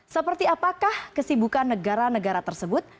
seperti apakah kesibukan negara negara tersebut